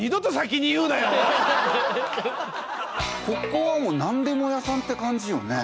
ここは何でも屋さんって感じよね。